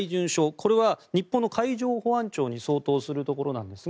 これは日本の海上保安庁に相当するところなんですが